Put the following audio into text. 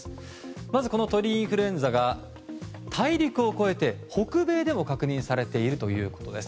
まず、鳥インフルエンザが大陸を越えて、北米でも確認されているということです。